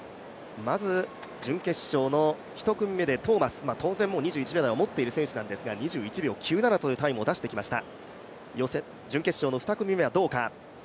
まず準決勝の１組目でトーマス、当然、２１秒台は持っている選手なんですが２１秒９７というタイムを出してきました。